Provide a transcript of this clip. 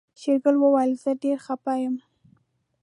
شېرګل وويل زه ډېر خپه يم.